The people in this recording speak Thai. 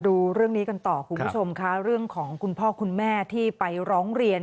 ดูเรื่องนี้กันต่อคุณผู้ชมค่ะเรื่องของคุณพ่อคุณแม่ที่ไปร้องเรียน